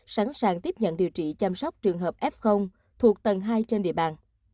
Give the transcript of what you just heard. sẵn sàng tiếp nhận điều trị chăm sóc trường hợp f thuộc tầng hai trên địa bàn